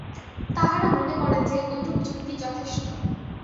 তাহারা মনে করে যে, ঐরূপ যুক্তিই যথেষ্ট।